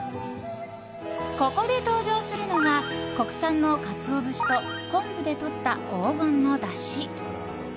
ここで登場するのが国産のカツオ節と昆布でとった黄金のだし。